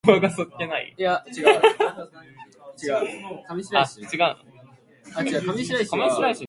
Franklin was known for his stoicism as an opening batsmen.